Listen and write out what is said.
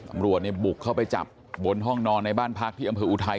ตำรวจเนี่ยบุกเข้าไปจับบนห้องนอนในบ้านพักที่อำเภออุทัย